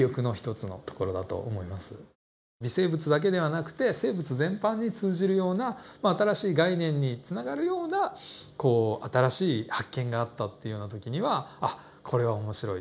微生物だけではなくて生物全般に通じるような新しい概念につながるようなこう新しい発見があったっていうような時には「あっ！これは面白い」。